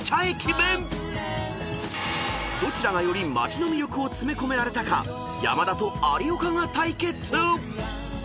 ［どちらがより街の魅力を詰め込められたか山田と有岡が対決！］